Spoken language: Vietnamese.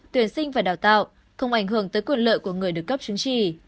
tuyển sinh và đào tạo không ảnh hưởng tới quyền lợi của người được cấp chứng chỉ